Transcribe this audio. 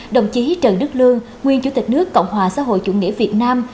đồng chí trần đức lương nguyên chủ tịch nước cộng hòa xã hội chủ nghĩa việt nam